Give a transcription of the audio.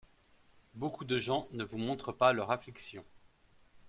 Beaucoup de gens ne vous montrent pas leur affliction.